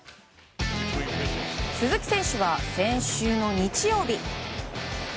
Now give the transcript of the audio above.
鈴木選手は、先週の日曜日。